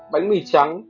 bánh mì trắng